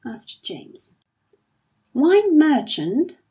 asked James. "Wine merchant!